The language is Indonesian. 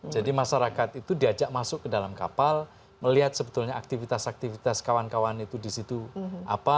jadi masyarakat itu diajak masuk ke dalam kapal melihat sebetulnya aktivitas aktivitas kawan kawan itu di situ apa